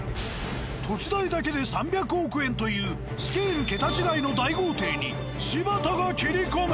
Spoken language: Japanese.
土地代だけで３００億円というスケール桁違いの大豪邸に柴田が斬り込む。